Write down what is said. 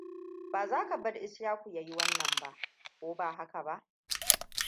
Ba za ka bar Ishaku ya yi wannan ba, ko ba haka ba?